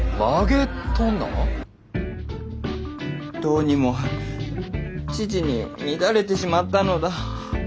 どうにも千々に乱れてしまったのだ。